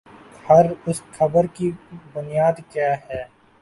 خر اس خبر کی بنیاد کیا ہے؟